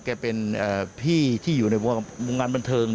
แกเป็นพี่ที่อยู่ในวงการบันเทิง